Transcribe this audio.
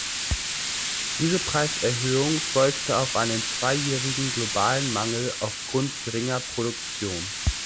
Diese Preiserhöhung folgte auf einen zweijährigen globalen Mangel aufgrund geringer Produktion.